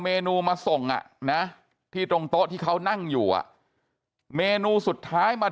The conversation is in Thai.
เมนูมาส่งอ่ะนะที่ตรงโต๊ะที่เขานั่งอยู่อ่ะเมนูสุดท้ายมา